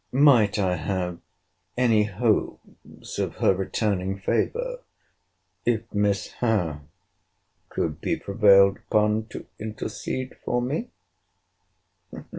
—Might I have any hopes of her returning favour, if Miss Howe could be prevailed upon to intercede for me?